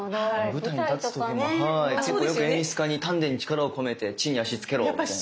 舞台に立つ時も結構よく演出家に丹田に力を込めて地に足つけろみたいな。